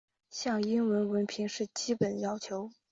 像英语文凭是基本要求。